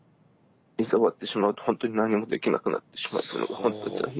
いざ終わってしまうとほんとに何もできなくなってしまうというのがほんと残念。